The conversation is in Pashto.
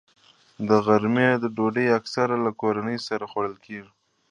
د غرمې ډوډۍ اکثره له کورنۍ سره خوړل کېږي